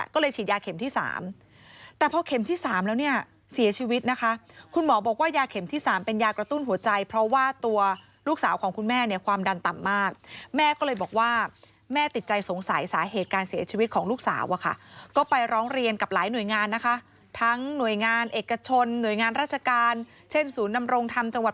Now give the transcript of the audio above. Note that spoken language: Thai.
ก็เลยฉีดยาเข็มที่๓แต่พอเข็มที่๓แล้วเนี่ยเสียชีวิตนะคะคุณหมอบอกว่ายาเข็มที่๓เป็นยากระตุ้นหัวใจเพราะว่าตัวลูกสาวของคุณแม่เนี่ยความดันต่ำมากแม่ก็เลยบอกว่าแม่ติดใจสงสัยสาเหตุการเสียชีวิตของลูกสาวอะค่ะก็ไปร้องเรียนกับหลายหน่วยงานนะคะทั้งหน่วยงานเอกชนหน่วยงานราชการเช่นศูนย์นำรงธรรมจังหวัด